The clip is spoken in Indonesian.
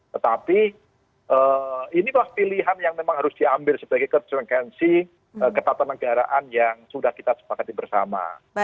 tetapi inilah pilihan yang memang harus diambil sebagai konsekuensi ketatanegaraan yang sudah kita sepakati bersama